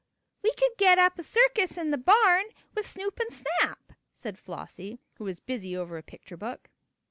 "We could get up a circus in the barn, with Snoop and Snap," said Flossie, who was busy over a picture book.